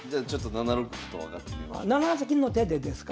７八金の手でですか？